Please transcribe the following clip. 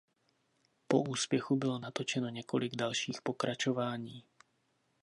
Po úspěchu bylo natočeno několik dalších pokračování.